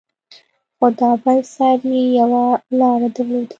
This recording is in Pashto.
خو دا بل سر يې يوه لاره درلوده.